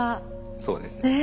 そうですね。